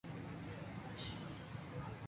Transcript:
مٹی کے چولہوں کے